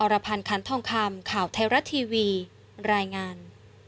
รพันธ์คันทองคำข่าวไทยรัฐทีวีรายงาน